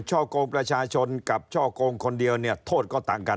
ช่อกงประชาชนกับช่อกงคนเดียวเนี่ยโทษก็ต่างกัน